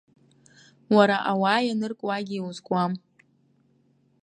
Уара ауаа ианыркуагьы иузкуам.